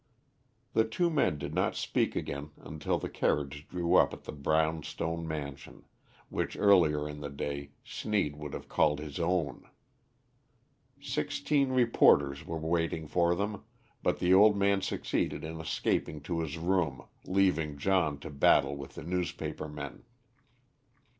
The two men did not speak again until the carriage drew up at the brown stone mansion, which earlier in the day Sneed would have called his own. Sixteen reporters were waiting for them, but the old man succeeded in escaping to his room, leaving John to battle with the newspaper men.